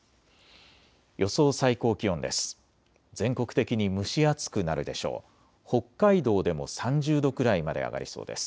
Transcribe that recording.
予想最高気温です。